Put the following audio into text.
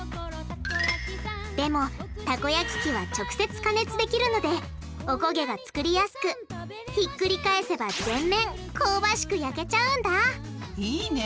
でもたこ焼き器は直接加熱できるのでおこげが作りやすくひっくり返せば全面香ばしく焼けちゃうんだいいね！